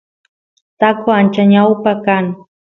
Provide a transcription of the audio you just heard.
taqo ancha ñawpa kan